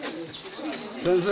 先生